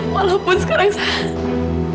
walaupun sekarang saat